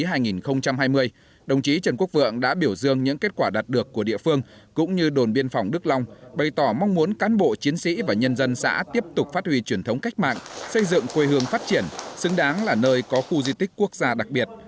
trong năm hai nghìn hai mươi đồng chí trần quốc vượng đã biểu dương những kết quả đạt được của địa phương cũng như đồn biên phòng đức long bày tỏ mong muốn cán bộ chiến sĩ và nhân dân xã tiếp tục phát huy truyền thống cách mạng xây dựng quê hương phát triển xứng đáng là nơi có khu di tích quốc gia đặc biệt